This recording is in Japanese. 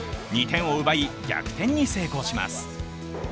２点を奪い、逆転に成功します。